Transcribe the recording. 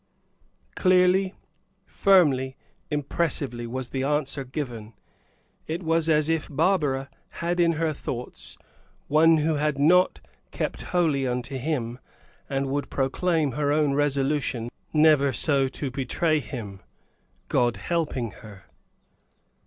Clearly, firmly, impressively was the answer given. It was as if Barbara had in her thoughts one who had not "kept holy unto him," and would proclaim her own resolution never so to betray him, God helping her.